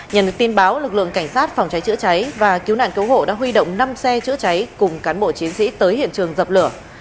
nhận được tin báo lực lượng cảnh sát phòng cháy chữa cháy và cứu nạn cứu hộ đã huy động năm xe chữa cháy cùng cán bộ chiến sĩ tới hiện trường dập lửa